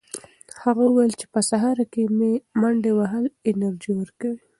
هغه وویل چې په سهار کې منډې وهل انرژي ورکوي.